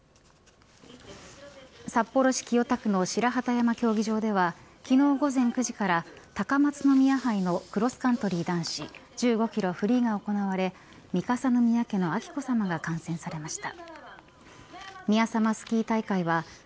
札幌市清田区の白旗山競技場では昨日午前９時から高松宮杯のクロスカントリー男子１５キロフリーが行われ三笠宮家の彬子さまが観戦されました。